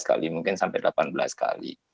lima belas kali mungkin sampai delapan belas kali